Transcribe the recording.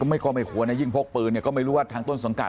ไม่ก็ไม่ควรนะยิ่งพกปืนเนี่ยก็ไม่รู้ว่าทางต้นสังกัด